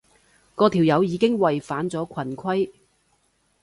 嗰條友已經違反咗群規